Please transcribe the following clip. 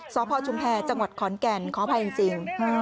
สพชุมแพรจังหวัดขอนแก่นขออภัยจริง